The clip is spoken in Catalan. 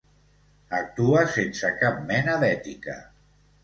Actua sense cap mena d'ètica.